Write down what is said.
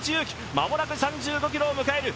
間もなく３５ｋｍを迎える。